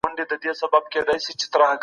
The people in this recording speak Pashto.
موږ وخت ګورو.